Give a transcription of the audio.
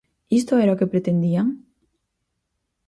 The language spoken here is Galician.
¿Isto era o que pretendían?